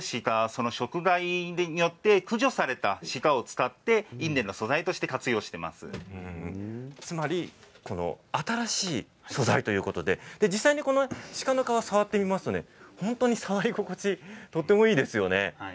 その食害によって駆除された鹿を使って印伝の素材として活用してつまり新しい素材ということで実際に鹿の革を触ってみますと本当に触り心地がとてもいいですよね。